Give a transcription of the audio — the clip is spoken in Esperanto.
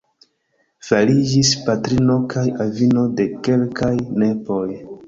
Fariĝis patrino kaj avino de kelkaj nepoj.